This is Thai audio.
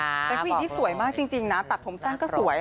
น้องล้วงเซฟชีวิตที่สวยมากตัดผมสั้นก็สวย